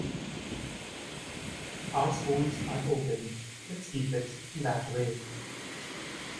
Our schools are open. Let’s keep it that way.